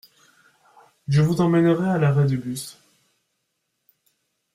Je vous emmènerai à l’arrêt de bus.